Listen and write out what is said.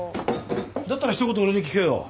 だったらひと言俺に聞けよ。